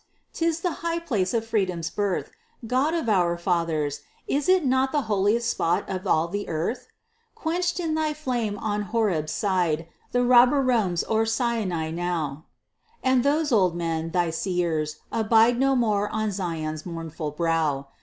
'Tis the high place of Freedom's birth! God of our fathers! is it not The holiest spot of all the earth? Quenched is thy flame on Horeb's side; The robber roams o'er Sinai now; And those old men, thy seers, abide No more on Zion's mournful brow.